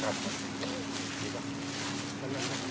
สวัสดีครับทุกคน